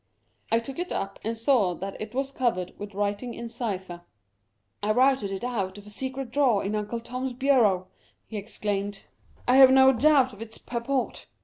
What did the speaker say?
I took it up, and saw that it was covered with writing in cypher. " I routed it out of a secret drawer in Uncle Tom's bureau !" he exclaimed. " I have no doubt of its purport.